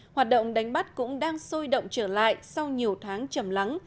hoạt động đánh bắt cũng đang sôi động trở lại sau nhiều tháng chầm lắng